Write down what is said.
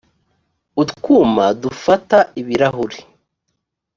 utwuma dufata ibirahuri